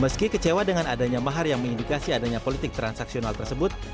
meski kecewa dengan adanya mahar yang mengindikasi adanya politik transaksional tersebut